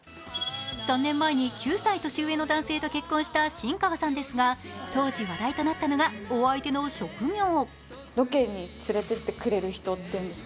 ３年前に９歳年上の男性と結婚した新川さんですが、当時話題となったのがお相手の職業。